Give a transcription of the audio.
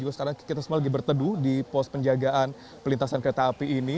juga sekarang kita semua lagi berteduh di pos penjagaan pelintasan kereta api ini